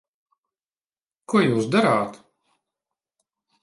Ko jūs darāt?